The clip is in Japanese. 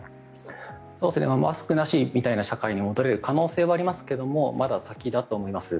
マスクなしみたいな社会に戻れる可能性はありますがまだ先だと思います。